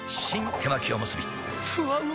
手巻おむすびふわうま